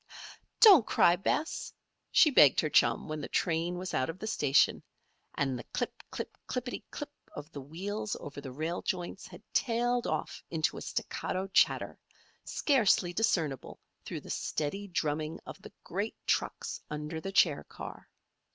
"Don't cry, Bess," she begged her chum when the train was out of the station and the "clip, clip, clip py ti clip" of the wheels over the rail joints had tailed off into a staccato chatter, scarcely discernible through the steady drumming of the great trucks under the chair car.